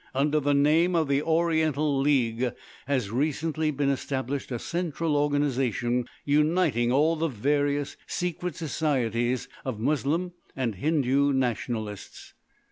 Under the name of the Oriental League has recently been established a central organisation uniting all the various secret societies of Moslem and Hindu nationalists.